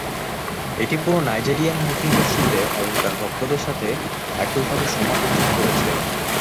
এটি পুরো Nigerian movie ইন্ডাস্ট্রিতে এবং তার ভক্তদের সাথে একইভাবে সম্মান অর্জন করেছে।